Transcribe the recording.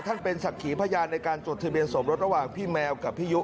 เป็นศักดิ์ขีพยานในการจดทะเบียนสมรสระหว่างพี่แมวกับพี่ยุ